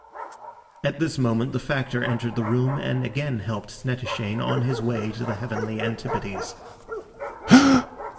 At this moment the Factor entered the room and again helped Snettishane on his way to the heavenly antipodes.